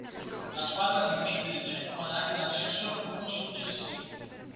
La squadra vincitrice guadagna l'accesso al turno successivo.